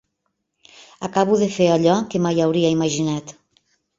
Acabo de fer allò que mai hauria imaginat.